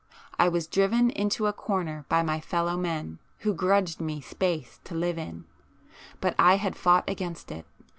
I was driven into a corner by my fellow men who grudged me space to live in, but I had fought against it.